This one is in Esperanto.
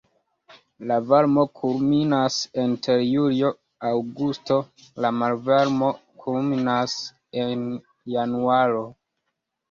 La varmo kulminas inter julio-aŭgusto, la malvarmo kulminas en januaro.